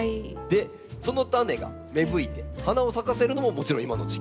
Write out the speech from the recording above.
でそのタネが芽吹いて花を咲かせるのももちろん今の時期。